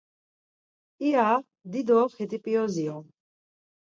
İya dido xit̆ip̌iyozi on.